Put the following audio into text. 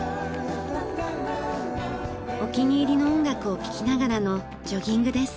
お気に入りの音楽を聴きながらのジョギングです。